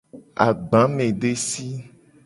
Agbamedesi.